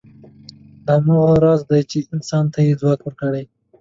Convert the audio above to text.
دا هماغه راز دی، چې انسان ته یې ځواک ورکړی.